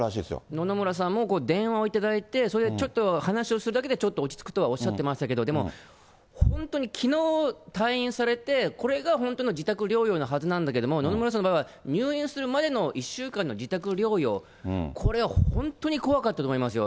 野々村さんも電話をいただいて、それでちょっと話をするだけでちょっと落ちつくとはおっしゃってましたけど、でも、本当にきのう退院されて、これが本当の自宅療養のはずなんだけども、野々村さんの場合は入院するまでの１週間の自宅療養、これは本当に怖かったと思いますよ。